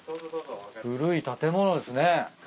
古い建物ですね。